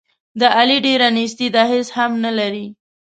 د علي ډېره نیستي ده، هېڅ هم نه لري.